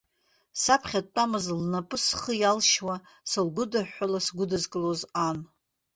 Саԥхьа дтәамызт лнапқәа схы иалшьуа, сылгәыдыҳәҳәала сгәыдызкылоз ан.